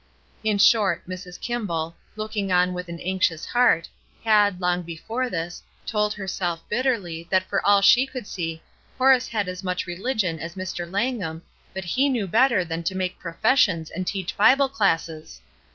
In short, Mrs. Kimball, looking on with an 272 ESTER RIED'S NAMESAKE anxious heart, had, long before this, told her self bitterly that for all that she could see Horace had as much religion as Mr. Langham, but he knew better than to make professions and teach Bible classes!